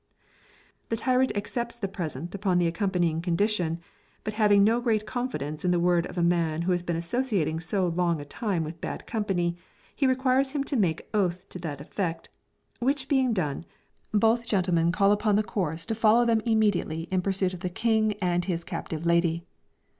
The tyrant accepts the present upon the accompanying condition, but having no great confidence in the word of a man who has been associating so long a time with bad company, he requires him to make oath to that effect; which being done, both gentlemen call upon the chorus to follow them immediately in pursuit of the king and his captive lady.